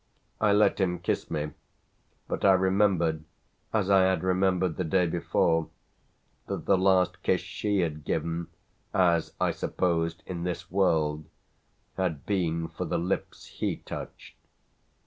I let him kiss me, but I remembered, as I had remembered the day before, that the last kiss she had given, as I supposed, in this world had been for the lips he touched.